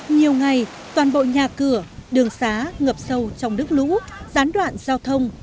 nhiều ngày toàn bộ nhà cửa đường xá ngập sâu trong nước lũ gián đoạn giao thông